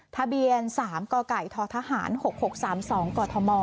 ทะเบียน๓กไก่ททหาร๖๖๓๒กธม